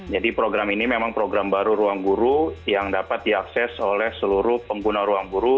jadi program ini memang program baru ruangguru yang dapat diakses oleh seluruh pengguna ruangguru